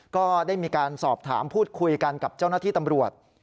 ก็ได้มีการสอบถามพูดคุยกันกับเจ้าหน้าที่ตำรวจ